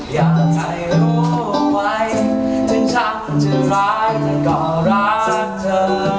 อยากให้ใครรู้ไหมถึงฉันจะร้ายเธอก็รักเธอ